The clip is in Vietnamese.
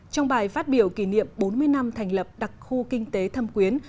trong bài phát biểu kỷ niệm bốn mươi năm thành lập đặc khu kinh tế thâm quyến